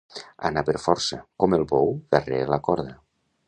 Anar per força, com el bou darrere la corda.